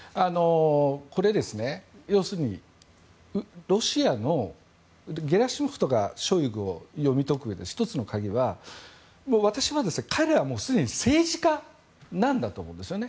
これですね、要するにロシアのゲラシモフとかショイグを読み解くうえで１つの鍵は、私は彼らはもうすでに政治家なんだと思うんですよね。